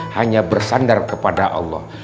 hanya bersandar kepada allah